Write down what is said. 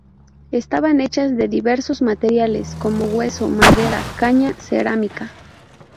Estaban hechas de diversos materiales, como hueso, madera, caña, cerámica...